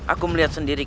aku melihat sendiri